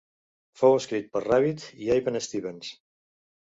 Fou escrit per Rabbitt i Even Stevens.